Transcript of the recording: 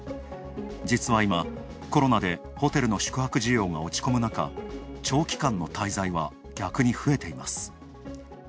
実は今、コロナでホテルの宿泊需要が落ち込む中、長期間の滞在は逆に増えています。